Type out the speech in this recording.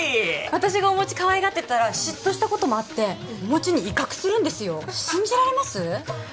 私がおもちかわいがってたら嫉妬したこともあっておもちに威嚇するんですよ信じられます？